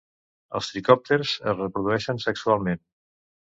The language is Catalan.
Els tricòpters es reprodueixen sexualment.